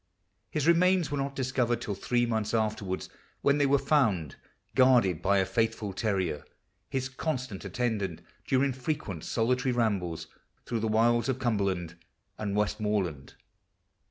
His remains were not discovered till three months afterwards, when they were found guarded b} r a faithful terrier, his constant atten dant during frequent solitary rambles through the wilds of Cumberland and Westmoreland.